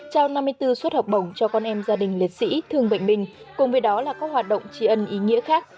trao năm mươi bốn suất học bổng cho con em gia đình liệt sĩ thương bệnh binh cùng với đó là các hoạt động tri ân ý nghĩa khác